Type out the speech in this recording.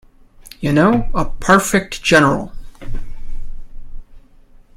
You know, a perfect general!